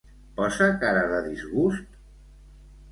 Posa cara de disgust?